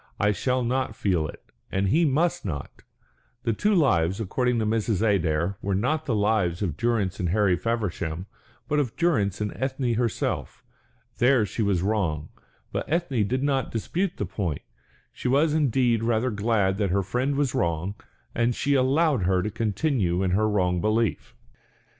"I shall not feel it, and he must not." The two lives, according to Mrs. Adair, were not the lives of Durrance and Harry Feversham, but of Durrance and Ethne herself. There she was wrong; but Ethne did not dispute the point, she was indeed rather glad that her friend was wrong, and she allowed her to continue in her wrong belief.